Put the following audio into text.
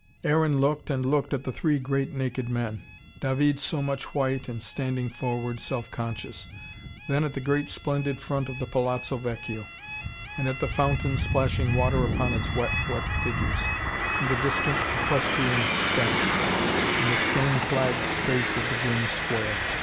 Aaron looked and looked at the three great naked men. David so much white, and standing forward, self conscious: then at the great splendid front of the Palazzo Vecchio: and at the fountain splashing water upon its wet, wet figures; and the distant equestrian statue; and the stone flagged space of the grim square.